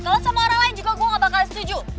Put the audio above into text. kalau sama orang lain juga gue gak bakal setuju